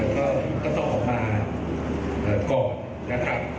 ก็ต้องออกมาก่อนนะครับ